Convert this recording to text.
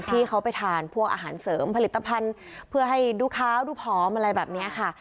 ที่เขาไปทานพวกอาหารเสริมผลิตภัณฑ์เพื่อให้ดูขาวดูผอมอะไรแบบนี้ค่ะ